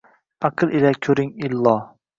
Аql ila koʼring, illo.